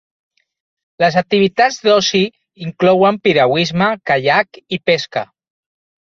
Les activitats d'oci inclouen piragüisme, caiac i pesca.